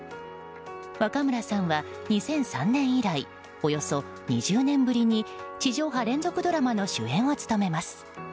若村さんは２００３年以来およそ２０年ぶりに地上波連続ドラマの主演を務めます。